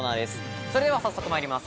それでは早速参ります。